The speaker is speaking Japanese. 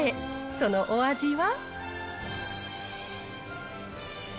そのお味は。